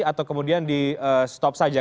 atau kemudian di stop saja